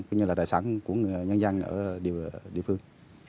cũng như là tài sản của nhân dân ở địa phương